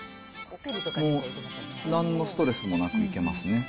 もう、なんのストレスもなくいけますね。